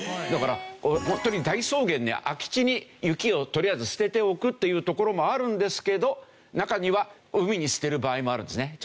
だから本当に大草原に空き地に雪をとりあえず捨てておくという所もあるんですけど中には海に捨てる場合もあるんですね。